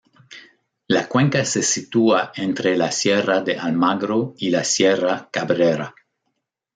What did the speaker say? La cuenca se sitúa entre la sierra de Almagro y la sierra Cabrera.